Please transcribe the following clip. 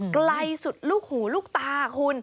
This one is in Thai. ไกลสุดลูกหูลูกตาคุณ